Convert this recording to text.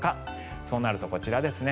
そうなるとこちらですね